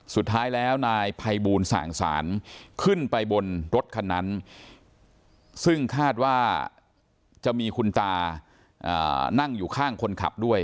สุดท้ายแล้วนายภัยบูลสั่งสารขึ้นไปบนรถคันนั้นซึ่งคาดว่าจะมีคุณตานั่งอยู่ข้างคนขับด้วย